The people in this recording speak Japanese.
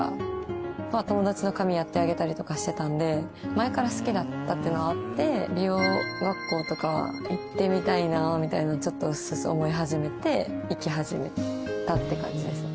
前から好きだったっていうのはあって美容学校とか行ってみたいなみたいなちょっと薄々思い始めて行き始めたって感じですね。